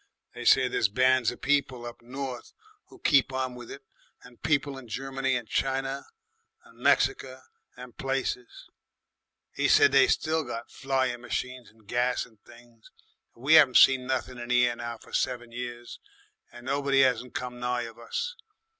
They say there's bands of people up north who keep on with it and people in Germany and China and 'Merica and places. 'E said they still got flying machines and gas and things. But we 'aven't seen nothin' in the air now for seven years, and nobody 'asn't come nigh of us.